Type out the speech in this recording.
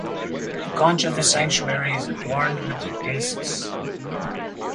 The conch of the sanctuary is adorned with the Deesis.